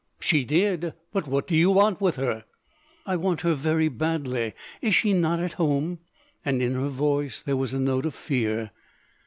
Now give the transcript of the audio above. "She did. But what do you want with her?" "I want her very badly. Is she not at home?" and in her voice there was a note of fear.